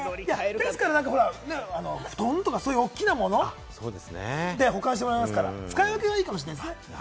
ですから布団とか、そういう大きなもの、保管してもらえますから使い分けがいいかもしれませんね。